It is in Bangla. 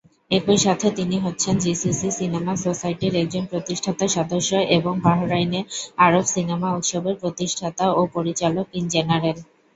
একই সাথে তিনি হচ্ছেন জিসিসি সিনেমা সোসাইটির একজন প্রতিষ্ঠাতা সদস্য এবং বাহরাইনের আরব সিনেমা উৎসবের প্রতিষ্ঠাতা ও পরিচালক-ইন-জেনারেল।